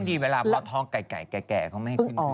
พอดีเวลาพ่อท้องแก่เขาไม่ให้ขึ้นเครื่อง